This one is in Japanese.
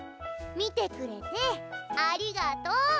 見てくれてありがとう。